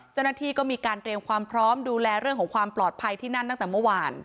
เจ้าหน้าที่ก็มีการเตรียมความพร้อมดูแลเรื่องของความปลอดภัยที่นั่นตั้งแต่เมื่อวาน